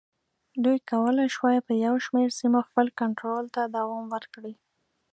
دوی کولای شوای په یو شمېر سیمو خپل کنټرول ته دوام ورکړي.